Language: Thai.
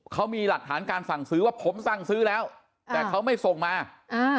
เขามีหลักฐานการสั่งซื้อว่าผมสั่งซื้อแล้วแต่เขาไม่ส่งมาอ่า